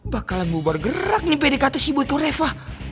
bakalan bubar gerak nih pdkt si boy ke reva